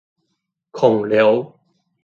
孔劉